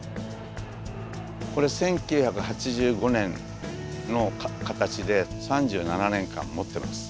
これ１９８５年の形で３７年間もってます